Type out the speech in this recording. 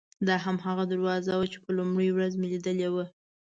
دا هماغه دروازه وه چې په لومړۍ ورځ مې لیدلې وه.